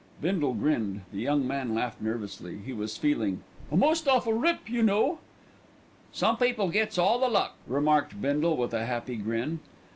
Bindle grinned, the young man laughed nervously. He was feeling "a most awful rip, you know." "Some people gets all the luck," remarked Bindle with a happy grin.